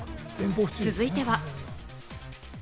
続いては。